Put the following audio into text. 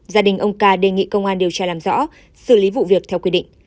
gia đình ông ca đề nghị công an điều tra làm rõ xử lý vụ việc theo quy định